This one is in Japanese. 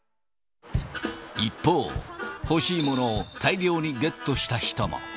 一方、欲しいものを大量にゲットした人も。